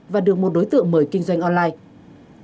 và được một đối tượng mời kinh doanh online